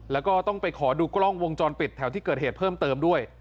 แล้วก็ต้องไปขอดูกล้องวงจรปิดแถวที่เกิดเหตุเพิ่มเติมด้วย